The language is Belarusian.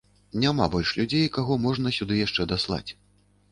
Няма больш людзей, каго можна сюды яшчэ даслаць.